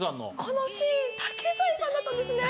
このシーン竹財さんだったんですね。